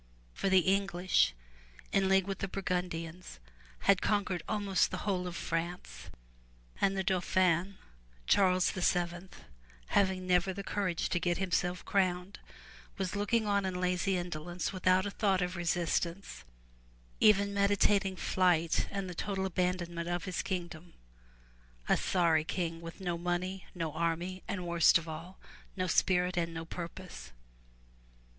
For the English in league with the Burgundians, had con quered almost the whole of France, and the Dauphin Charles VII, having never the courage to get himself crowned, was looking on in lazy indolence without a thought of resistance, even meditating flight and the total abandonment of his kingdom, — a sorry king with no money, no army and, worst of all, no spirit and no purpose.